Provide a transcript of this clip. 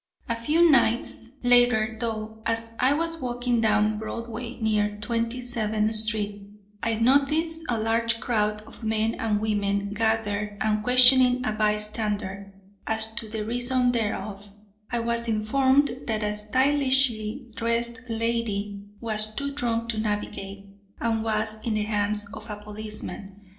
A few nights later, though, as I was walking down Broadway, near Twenty seventh street, I noticed a large crowd of men and women gathered, and questioning a bystander as to the reason thereof, I was informed that a stylishly dressed lady was "too drunk to navigate" and was in the hands of a policeman.